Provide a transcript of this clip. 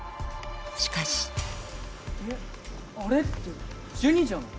しかしあれってジュニじゃない？